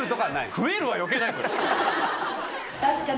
増えるは余計ないです。